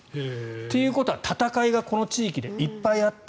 ということは戦いがこの地域でいっぱいあった。